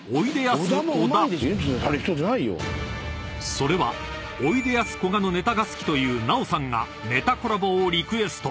［それはおいでやすこがのネタが好きという奈緒さんがネタコラボをリクエスト］